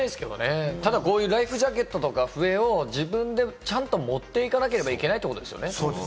ライフジャケットとか笛を自分でちゃんと持っていかなければいけないってことですよね。